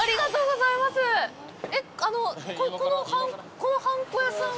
このはんこ屋さんは？